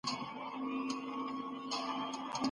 يو بل نظر وړاندې کېږي تل.